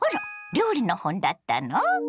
料理の本だったの？